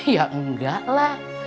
ya enggak lah